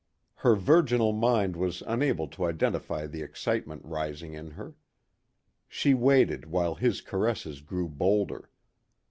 Her virginal mind was unable to identify the excitement rising in her. She waited while his caresses grew bolder.